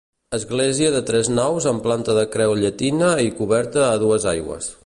Església de tres naus amb planta de creu llatina i coberta a dues aigües.